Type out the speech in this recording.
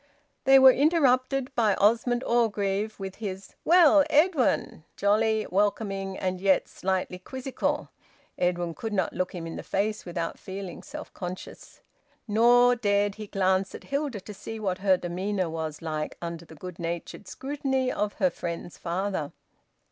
They were interrupted by Osmond Orgreave, with his, "Well, Edwin," jolly, welcoming, and yet slightly quizzical. Edwin could not look him in the face without feeling self conscious. Nor dared he glance at Hilda to see what her demeanour was like under the good natured scrutiny of her friend's father.